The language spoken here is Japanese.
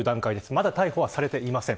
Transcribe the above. まだ逮捕はされていません。